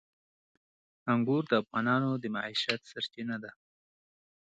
انګور د افغانانو د معیشت سرچینه ده.